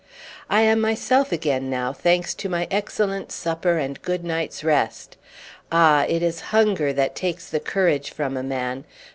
"I am myself again now, thanks to my excellent supper and good night's rest. Ah! it is hunger that takes the courage from a man.